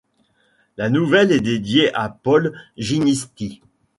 La nouvelle est dédiée à Paul Ginisty.